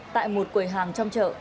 tại một quầy hàng trong chợ